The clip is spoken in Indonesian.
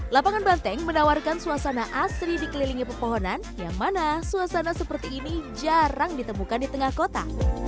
lapangan banteng menawarkan suasana asri dikelilingi pepohonan yang mana suasana seperti ini jarang ditemukan di tengah kota